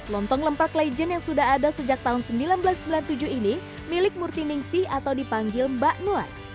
lontong lemprak legend yang sudah ada sejak tahun seribu sembilan ratus sembilan puluh tujuh ini milik murti ningsi atau dipanggil mbak nuar